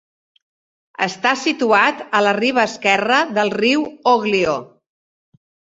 Està situat a la riba esquerra del riu Oglio.